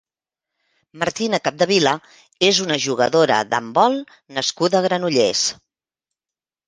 Martina Capdevila és una jugadora d'handbol nascuda a Granollers.